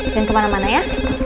jangan kemana mana ya